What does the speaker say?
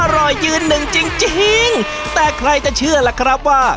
ยืนหนึ่งจริงแต่ใครจะเชื่อล่ะครับว่า